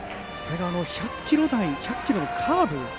１００キロ台１００キロのカーブ。